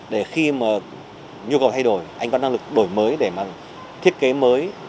để khi mà nhu cầu thay đổi anh có năng lực đổi mới để mà thiết kế mới